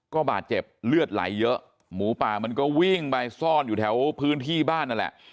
ก็บาดเจ็บเลือดไหลเยอะหมูป่ามันก็วิ่งไปซ่อนอยู่แถวพื้นที่บ้านนั่นแหละ